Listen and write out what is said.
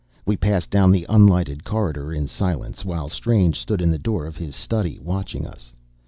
We passed down the unlighted corridor in silence, while Strange stood in the door of his study, watching us.